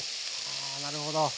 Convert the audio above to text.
あなるほど。